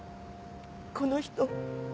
この人。